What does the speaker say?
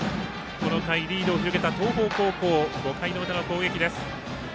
この回、リードを広げた東邦高校５回の表の攻撃です。